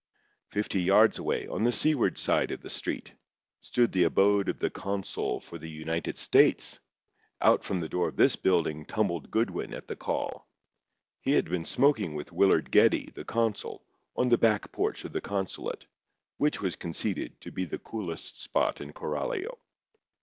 Fifty yards away, on the seaward side of the street, stood the abode of the consul for the United States. Out from the door of this building tumbled Goodwin at the call. He had been smoking with Willard Geddie, the consul, on the back porch of the consulate, which was conceded to be the coolest spot in Coralio.